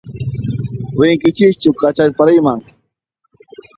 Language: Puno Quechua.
Rinkichischu kacharpariyman?